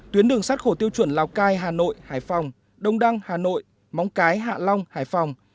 tuyến đường sát khổ tiêu chuẩn lào cai hà nội hải phòng đông đăng hà nội móng cái hạ long hải phòng